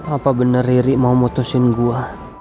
apa bener riri mau mutusin gue